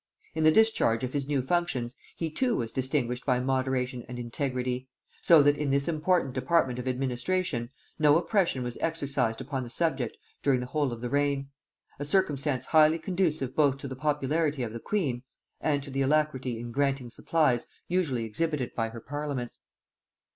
In the discharge of his new functions he too was distinguished by moderation and integrity, so that in this important department of administration no oppression was exercised upon the subject during the whole of the reign; a circumstance highly conducive both to the popularity of the queen, and to the alacrity in granting supplies usually exhibited by her parliaments.